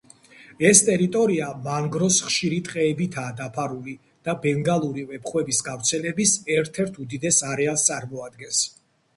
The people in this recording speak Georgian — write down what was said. ეს ტერიტორია მანგროს ხშირი ტყეებითაა დაფარული და ბენგალური ვეფხვების გავრცელების ერთ-ერთ უდიდეს არეალს წარმოადგენს.